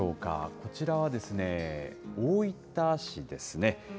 こちらは大分市ですね。